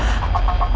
aku mau ke rumah